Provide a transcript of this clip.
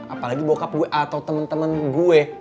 apalagi bokap gua atau temen temen gua